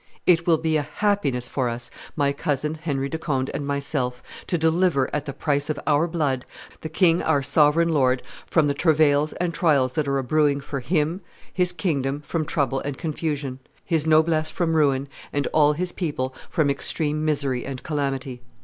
... It will be a happiness for us, my cousin [Henry de Conde] and myself, to deliver, at the price of our blood, the king our sovereign lord from the travails and trials that are a brewing for him, his kingdom from trouble and confusion, his noblesse from ruin, and all his people from extreme misery and calamity."